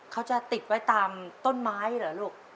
เขาจะติดไว้ตามต้นไม้เหรอลูก